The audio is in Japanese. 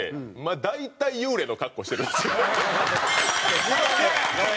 大体幽霊の格好してるんですよ。